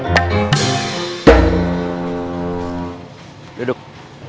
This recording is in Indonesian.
makasih l none